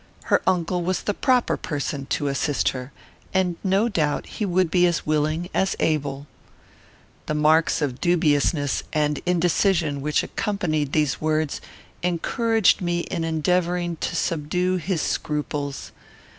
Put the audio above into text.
Her uncle was the proper person to assist her, and no doubt he would be as willing as able. The marks of dubiousness and indecision which accompanied these words encouraged me in endeavouring to subdue his scruples.